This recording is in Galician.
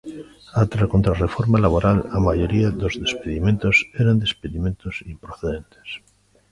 Ata a contrarreforma laboral, a maioría dos despedimentos eran despedimentos improcedentes.